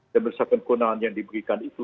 dan berdasarkan konaan yang diberikan itu